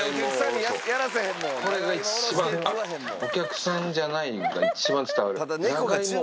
これが一番、あっ、お客さんじゃないが一番伝わる。